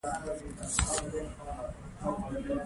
اداري حقوق د دولت د عمل حدود ټاکي.